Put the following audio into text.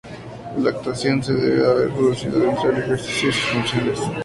La actuación se debe haber producido dentro del ejercicio de sus funciones.